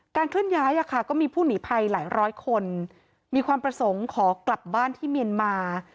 เคลื่อนย้ายก็มีผู้หนีภัยหลายร้อยคนมีความประสงค์ขอกลับบ้านที่เมียนมา